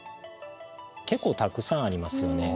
結構たくさんありますよね。